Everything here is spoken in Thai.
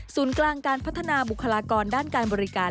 กลางการพัฒนาบุคลากรด้านการบริการ